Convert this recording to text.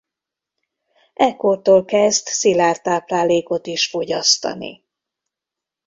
Ekkortól kezd szilárd táplálékot is fogyasztani.